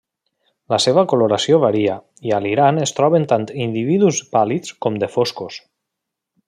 La seva coloració varia i a l'Iran es troben tant individus pàl·lids com de foscos.